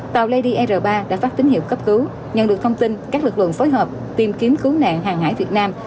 tàu ledr ba đã phát tín hiệu cấp cứu nhận được thông tin các lực lượng phối hợp tìm kiếm cứu nạn hàng hải việt nam